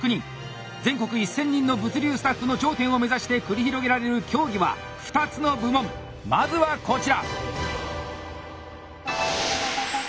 全国１，０００人の物流スタッフの頂点を目指して繰り広げられる競技は２つの部門まずはこちら！